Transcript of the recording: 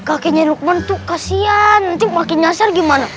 kakeknya lukman tuh kasihan nanti makin nyasar gimana